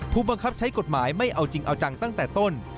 ผู้บังคับใช้กฎหมายไม่เอาจริงเอาจังตั้งแต่ต้น